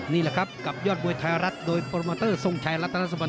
นี่แหละครับกับยอดมวยไทยรัฐโดยโปรโมเตอร์ทรงชัยรัตนสุบัน